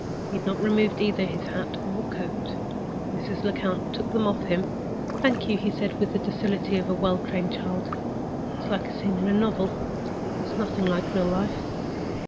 He had not removed either his hat or coat. Mrs. Lecount took them off for him. "Thank you," he said, with the docility of a well trained child. "It's like a scene in a novel—it's like nothing in real life."